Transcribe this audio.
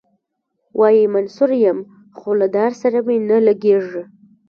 وايي منصور یم خو له دار سره مي نه لګیږي.